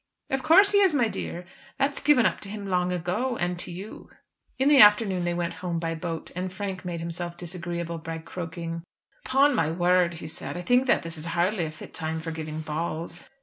"Of course he is, my dear; that's given up to him long ago, and to you." In the afternoon they went home by boat, and Frank made himself disagreeable by croaking. "Upon my word," he said, "I think that this is hardly a fit time for giving balls."